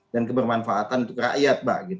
dan kebermanfaatan untuk rakyat mbak